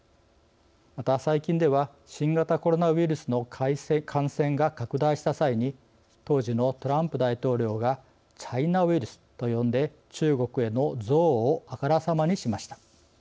また、最近では新型コロナウイルスの感染が拡大した際に当時のトランプ大統領がチャイナウイルス、と呼んで中国への憎悪をあからさまにしました。